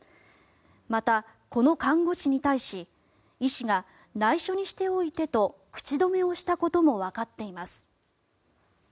また、この看護師に対し医師が内緒にしておいてと口止めをしたこともわかっています。